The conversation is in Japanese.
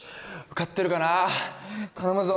・受かってるかな？